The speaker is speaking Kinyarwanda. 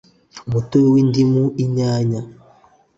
Umutobe wi ndimu inyanya …